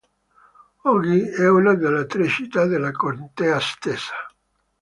Oggi è una delle tre città della contea stessa.